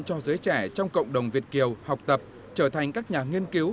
cho giới trẻ trong cộng đồng việt kiều học tập trở thành các nhà nghiên cứu